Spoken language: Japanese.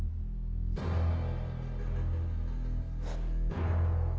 フッ。